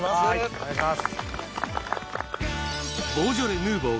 お願いします！